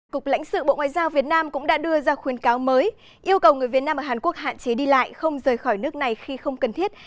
cục lãnh sự bộ ngoại giao việt nam cũng đã đưa ra khuyến cáo mới yêu cầu người việt nam ở hàn quốc hạn chế đi lại không rời khỏi nước này khi không cần thiết